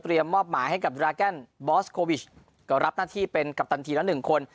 มอบหมายให้กับดราแกนบอสโควิชก็รับหน้าที่เป็นกัปตันทีละหนึ่งคน